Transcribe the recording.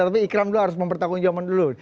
tapi ikram dulu harus mempertanggung jawaban dulu